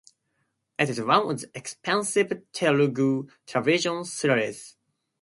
It is one of the expensive Telugu television series.